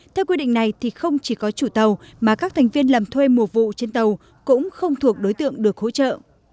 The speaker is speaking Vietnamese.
theo quy định này thì không chỉ có chủ tàu mà các thành viên làm thuê mùa vụ trên tàu cũng không thuộc đối tượng được hỗ trợ